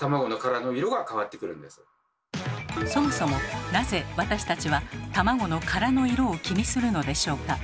そもそもなぜ私たちは卵の殻の色を気にするのでしょうか？